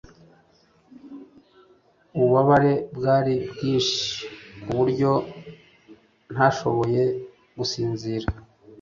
Ububabare bwari bwinshi kuburyo ntashoboye gusinzira